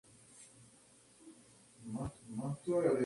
Formaron parte del gobierno y de la oposición cuando correspondió.